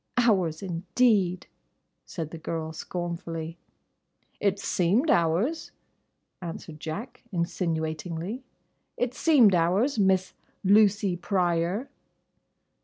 "Hours, indeed!" said the girl, scornfully. "It seemed hours," answered Jack, insinuatingly. "It seemed hours—Miss—Lucy Pryor."